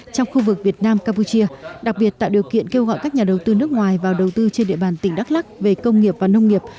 trong khu vực việt nam campuchia đặc biệt tạo điều kiện kêu gọi các nhà đầu tư nước ngoài vào đầu tư trên địa bàn tỉnh đắk lắc về công nghiệp và nông nghiệp